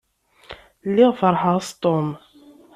Lliɣ feṛḥeɣ s Tom.